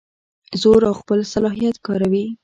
زور او خپل صلاحیت کاروي.